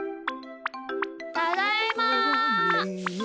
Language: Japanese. ただいま！